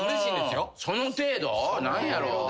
何やろう。